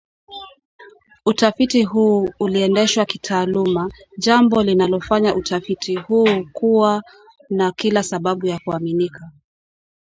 utafiti huu uliendeshwa kitaaluma jambo linalofanya utafiti huu kuwa na kila sababu ya kuaminika